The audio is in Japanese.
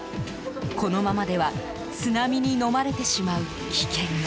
このままでは津波にのまれてしまう危険が。